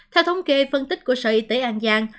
theo thống kê phân tích của sở y tế an giang